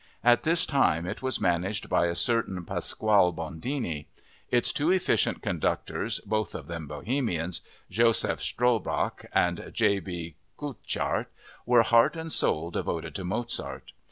At this time it was managed by a certain Pasquale Bondini. Its two efficient conductors (both of them Bohemians), Josef Strobach and J. B. Kucharz, were heart and soul devoted to Mozart.